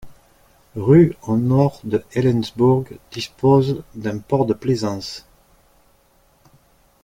Rhu, au nord de Helensburgh, dispose d'un port de plaisance.